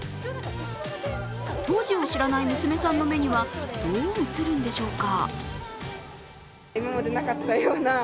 当時を知らない娘さんの目にはどう映るんでしょうか。